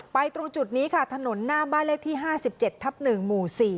ตรงจุดนี้ค่ะถนนหน้าบ้านเลขที่๕๗ทับ๑หมู่๔